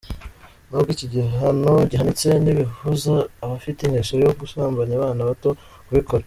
Nubwo iki gihano gihanitse ntibibuza abafite ingeso yo gusambanya abana bato kubikora.